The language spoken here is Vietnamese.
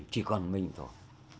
một mươi chỉ còn mình thôi